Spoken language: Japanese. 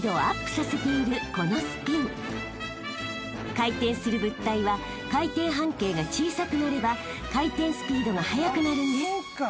［回転する物体は回転半径が小さくなれば回転スピードが速くなるんです］